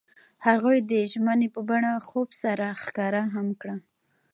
هغوی د ژمنې په بڼه خوب سره ښکاره هم کړه.